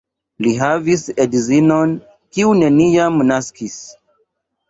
Li havis edzinon, kiu neniam naskis.